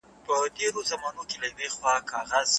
تولید د کروندګرو او څارویو لرونکو ژوند پورې تړاو لري.